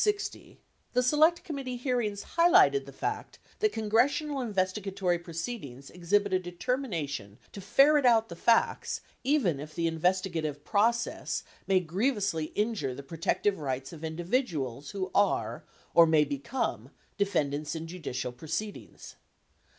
60, the Select Committee hearings highlighted the fact that congressional investigatory proceedings exhibit a determination to ferret out the facts even if the investigative process may grievously injui'e the protected rights of individuals who are or may become de fendants in judicial proceedings.